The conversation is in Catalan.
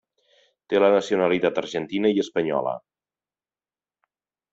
Té la nacionalitat argentina i espanyola.